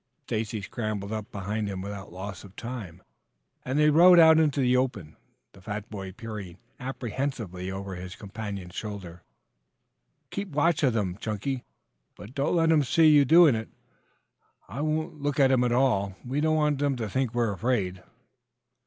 Stacy scrambled up behind him without loss of time, and they rode out into the open, the fat boy peering apprehensively over his companion's shoulder. "You keep watch of them, Chunky, but don't let them see you doing it. I won't look at them at all. We don't want them to think we're afraid."